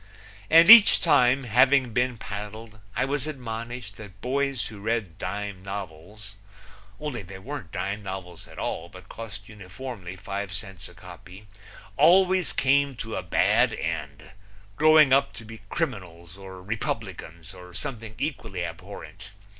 And each time, having been paddled, I was admonished that boys who read dime novels only they weren't dime novels at all but cost uniformly five cents a copy always came to a bad end, growing up to be criminals or Republicans or something equally abhorrent.